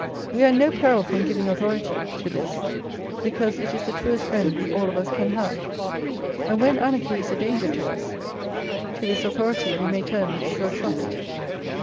We are in no peril from giving authority to this, because it is the truest friend we all of us can have; and when anarchy is a danger to us, to this authority we may turn with sure trust.